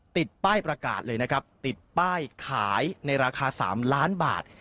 ติดป้ายประกาศเลยนะครับติดป้ายขายในราคา๓ล้านบาท